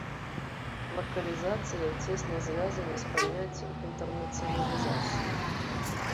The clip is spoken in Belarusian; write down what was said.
Лакалізацыя цесна звязана з паняццем інтэрнацыяналізацыі.